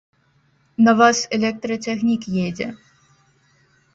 На вас электрацягнік едзе.